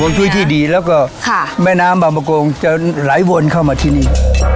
หวงจุ้ยที่ดีแล้วก็แม่น้ำบามกงจะไหลวนเข้ามาที่นี่